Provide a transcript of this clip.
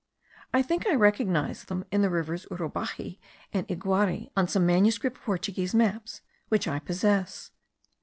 I think I recognise them in the rivers Urubaxi and Iguari,* on some manuscript Portuguese maps which I possess.